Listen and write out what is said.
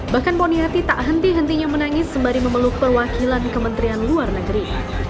bahkan poniati tak henti hentinya menangis sembari memeluk perwakilan kementerian luar negeri